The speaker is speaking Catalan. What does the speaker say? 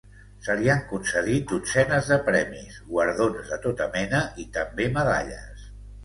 Se li han concedit dotzenes de premis, guardons de tota mena i també medalles.